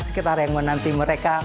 sekitar yang menanti mereka